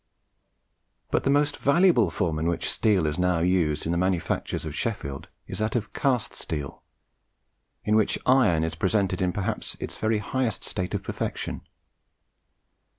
But the most valuable form in which steel is now used in the manufactures of Sheffield is that of cast steel, in which iron is presented in perhaps its very highest state of perfection.